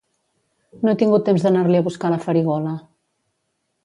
No he tingut temps d'anar-li a buscar la farigola